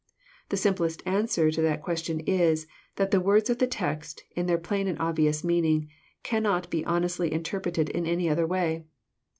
The simplest answer to that question is, that the words of the text, in their plain and obvious meaning, cannot be honestly inter preted in ai y other way.